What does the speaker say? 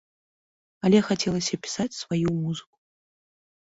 Але хацелася пісаць сваю музыку.